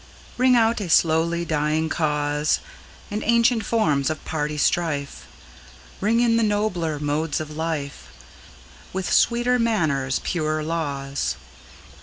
Ring out a slowly dying cause, And ancient forms of party strife; Ring in the nobler modes of life, With sweeter manners, purer laws.